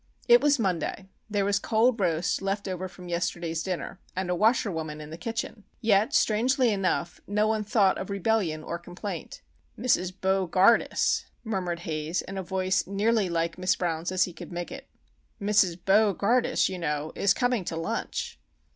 It was Monday; there was cold roast left over from yesterday's dinner, and a washerwoman in the kitchen. Yet, strangely enough, no one thought of rebellion or complaint. "Mrs. Bo gardus," murmured Haze, in a voice as nearly like Miss Brown's as he could make it, "Mrs. Bo gardus, you know, is coming to lunch!"